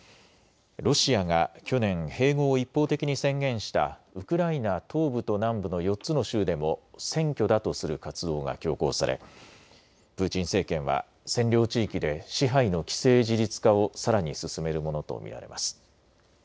ロシアが去年、併合を一方的に宣言したウクライナ東部と南部の４つの州でも選挙だとする活動が強行されプーチン政権は占領地域で支配の既成事実化をさらに進めるものと見られます。